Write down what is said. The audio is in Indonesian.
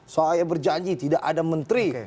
saya berjanji tidak ada menteri